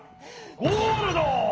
ゴールド！